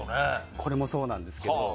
これもそうなんですけど。